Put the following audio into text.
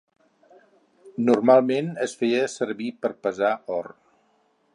Normalment es feia servir per pesar or.